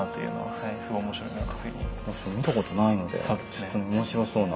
見たことないのでちょっと面白そうな。